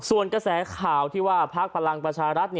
ส่วนกระแสข่าวที่ว่าพักพลังประชารัฐ